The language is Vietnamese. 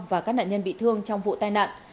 và các nạn nhân bị thương trong vụ tai nạn